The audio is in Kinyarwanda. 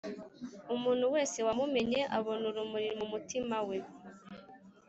umuntu wese wamumenye abona urumuri mumutima we